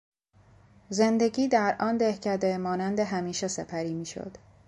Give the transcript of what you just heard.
زندگی در آن دهکده مانند همیشه سپری میشد.